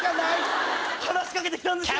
話し掛けて来たんですよ！